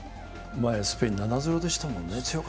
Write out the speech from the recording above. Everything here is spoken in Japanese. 前スペイン７−０でしたもんね。